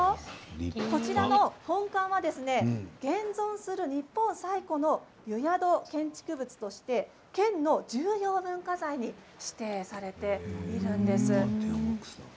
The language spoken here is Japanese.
こちらの廊下が現存する日本最古の湯宿建築物として県の重要登録有形文化財に登録されているんです。